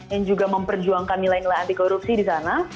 yang juga memperjuangkan nilai nilai anti korupsi di sana